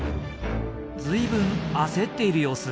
随分焦っている様子。